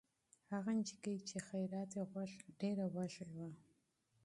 هغه نجلۍ چې خیرات یې غوښت، ډېره وږې وه.